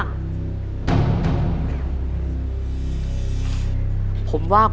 คุณยายแจ้วเลือกตอบจังหวัดนครราชสีมานะครับ